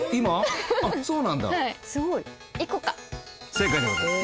正解でございます。